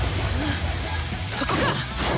そこか！